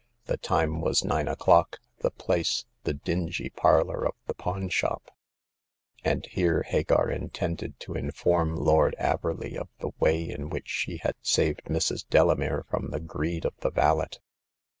The time was nine o'clock ; the place, the dingy par lor of the pawn shop ; and here Hagar intended to inform Lord Averley of the way in which she had saved Mrs. Delamere from the greed of the valet.